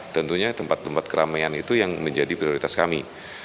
tentunya tempat tempat keramaian itu yang menjadi prioritas kami